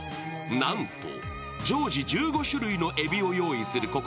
なんと常時１５種類のえびを用意する